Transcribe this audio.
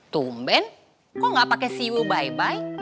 tumben kok gak pake siwu bye bye